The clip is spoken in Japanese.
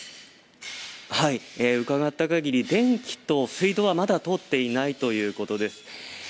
伺った限り電気と水道はまだ通っていないということです。